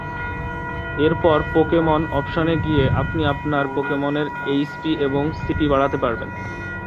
এরপর পোকেমন অপশনে গিয়ে আপনি আপনার পোকেমনের এইচপি এবং সিপি বাড়াতে পারবেন।